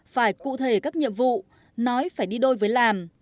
phải cụ thể các nhiệm vụ nói phải đi đôi với làm